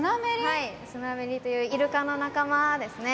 はいスナメリというイルカの仲間ですね。